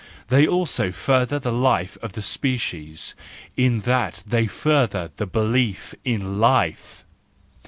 They also further the life of the species, in that they further the belief in life